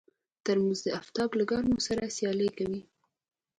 ترموز د افتاب له ګرمو سره سیالي کوي.